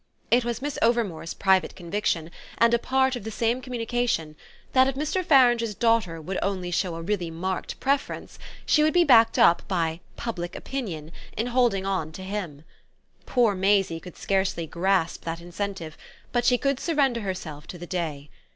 It was Miss Overmore's private conviction, and a part of the same communication, that if Mr. Farange's daughter would only show a really marked preference she would be backed up by "public opinion" in holding on to him. Poor Maisie could scarcely grasp that incentive, but she could surrender herself to the day.